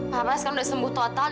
papa sekarang udah sembuh total